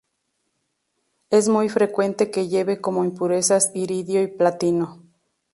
Es muy frecuente que lleve como impurezas iridio y platino.